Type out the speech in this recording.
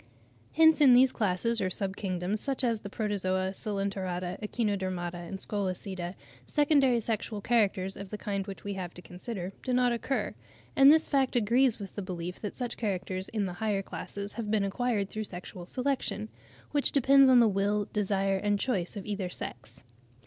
Hence in these classes or sub kingdoms, such as the Protozoa, Coelenterata, Echinodermata, Scolecida, secondary sexual characters, of the kind which we have to consider, do not occur: and this fact agrees with the belief that such characters in the higher classes have been acquired through sexual selection, which depends on the will, desire, and choice of either sex.